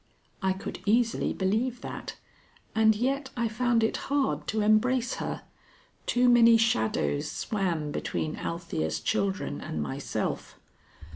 I could easily believe that, and yet I found it hard to embrace her. Too many shadows swam between Althea's children and myself.